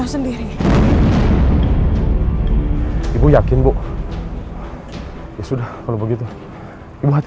apulang aja cut